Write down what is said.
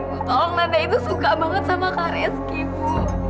tolong nanda itu suka banget sama kare rezeki ibu